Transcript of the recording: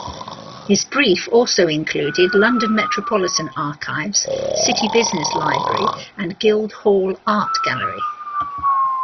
His brief also included London Metropolitan Archives, City Business Library and Guildhall Art Gallery.